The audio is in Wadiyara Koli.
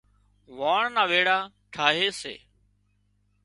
واڻ نا ويڙا ٺاهي سي